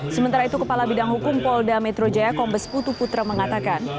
sementara itu kepala bidang hukum polda metro jaya kombes putu putra mengatakan